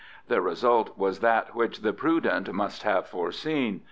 The result was that which the prudent must have foreseen.